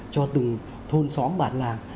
cho từng thôn xóm bản làng